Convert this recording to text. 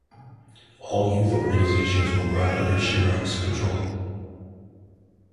All youth organizations were brought under Schirach's control.